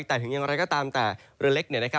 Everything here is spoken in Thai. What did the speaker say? แต่ถึงอย่างไรก็ตามแต่เรือเล็ก